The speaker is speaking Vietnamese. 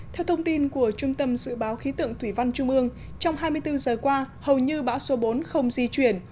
theo thông tin của trung tâm dự báo khí tượng thủy văn trung ương trong hai mươi bốn giờ qua hầu như bão số bốn không di chuyển